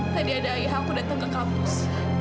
tadi ada ayah aku datang ke kampus